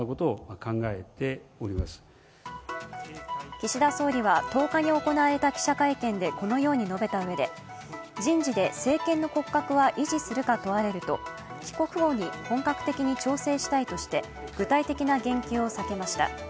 岸田総理は１０日に行われた記者会見でこのように述べたうえで人事で政権の骨格は維持するか問われると帰国後に本格的に調整したいとして具体的な言及を避けました。